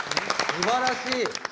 すばらしい！